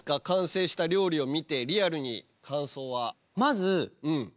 完成した料理を見てリアルに感想は。